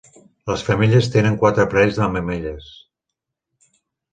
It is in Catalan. Les femelles tenen quatre parells de mamelles.